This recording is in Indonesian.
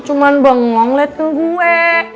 lo cuman bengong liat ke gue